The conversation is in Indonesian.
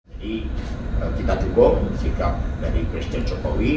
jadi kita dukung sikap dari presiden jokowi